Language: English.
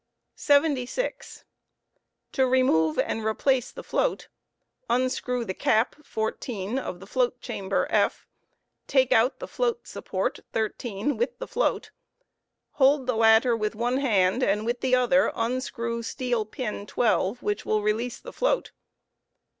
to remove 7<j # t remove and replace the float, '* unscrew the cap 14 of the float chamber F} take out the fl^at sapporfc 13 with the float; hold the latter with one hand and with the other undrew steel pin 12^ which will release the float.